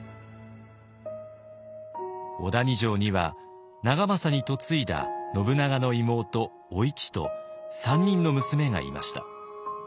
小谷城には長政に嫁いだ信長の妹お市と３人の娘がいました。